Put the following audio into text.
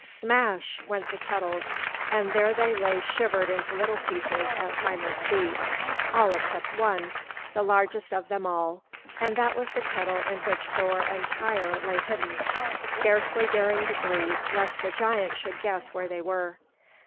Smash! went the kettles; and there they lay shivered into little pieces at Hymir's feet, all except one, the largest of them all, and that was the kettle in which Thor and Tŷr lay hidden, scarcely daring to breathe lest the giant should guess where they were.